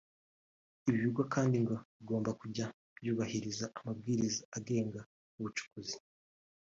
Ibi bigo kandi ngo bigomba kujya byubahiriza amabwiriza agenga ubucukuzi